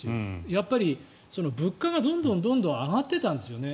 やっぱり物価がどんどん上がっていたんですよね。